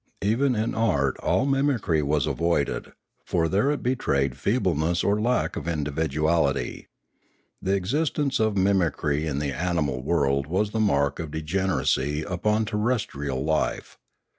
Even in art all mimicry was avoided, for there it betrayed feebleness or lack of in dividuality. The existence of mimicry in the animal world was the mark of degeneracy upon terrestrial life.